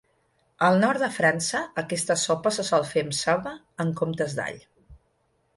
Al nord de França aquesta sopa se sol fer amb ceba en comptes d'all.